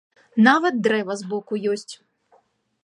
Нават дрэва збоку ёсць.